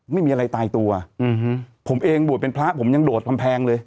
ไม่มีอะไรตายตัวอืมผมเองบวชเป็นพระผมยังโดดกำแพงเลย